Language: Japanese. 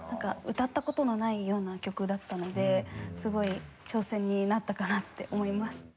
歌った事のないような曲だったのですごい挑戦になったかなって思います。